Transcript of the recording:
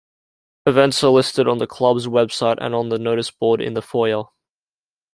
Events are listed on the club's website and on the noticeboard in the foyer.